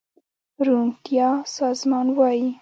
روڼتيا سازمان وايي